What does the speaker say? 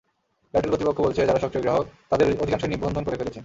Airtel কর্তৃপক্ষ বলছে, যাঁরা সক্রিয় গ্রাহক তাঁদের অধিকাংশই নিবন্ধন করে ফেলেছেন।